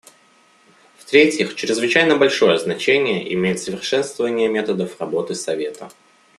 В-третьих, чрезвычайно большое значение имеет совершенствование методов работы Совета.